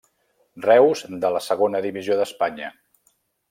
Reus de la Segona Divisió d'Espanya.